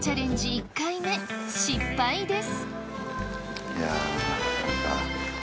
１回目失敗です。